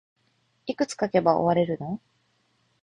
いくつ書けば終われるの